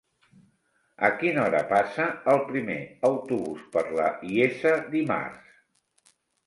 A quina hora passa el primer autobús per la Iessa dimarts?